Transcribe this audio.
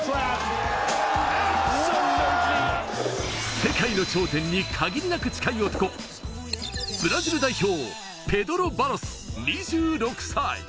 世界の頂点に限りなく近い男、ブラジル代表、ペドロ・バロス、２６歳。